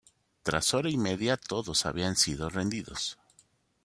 Tras hora y media todos habían sido rendidos.